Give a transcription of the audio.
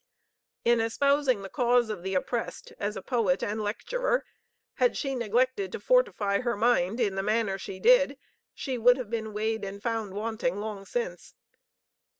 In espousing the cause of the oppressed as a poet and lecturer, had she neglected to fortify her mind in the manner she did, she would have been weighed and found wanting long since.